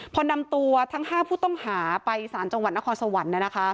พอนำตัวทั้ง๕ผู้ต้องหาไปสารจังหวัดนครสวรรค์